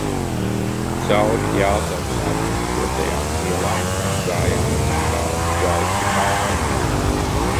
Cauri Jelgavas aptumšotajām ielām mēs gājām uz kādu gaišu māju.